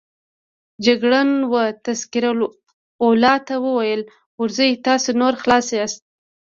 جګړن وه تذکره والاو ته وویل: ورځئ، تاسو نور خلاص یاست.